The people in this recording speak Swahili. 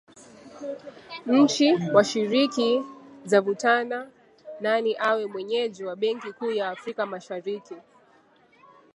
Nchi washiriki zavutana nani awe mwenyeji wa benki kuu ya Afrika Mashariki